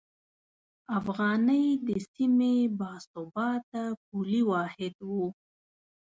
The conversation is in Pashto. افغانۍ د سیمې باثباته پولي واحد و.